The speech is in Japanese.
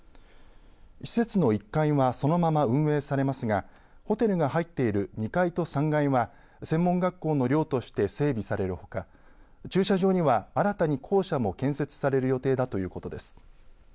施設の１階はそのまま運営されますがホテルが入っている２階と３階は専門学校の寮として整備されるほか駐車場には新たに校舎も建設される予定だということです。